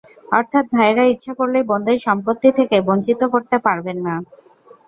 অর্থাৎ ভাইয়েরা ইচ্ছা করলেই বোনদের সম্পত্তি থেকে বঞ্চিত করতে পারবেন না।